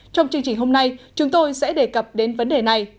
trong chương trình hôm nay chúng tôi sẽ đề cập đến vấn đề này